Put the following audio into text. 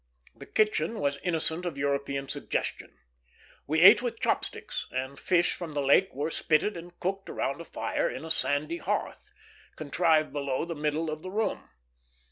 The kitchen was innocent of European suggestion; we ate with chopsticks, and fish from the lake were spitted and cooked around a fire in a sandy hearth, contrived below the middle of the room.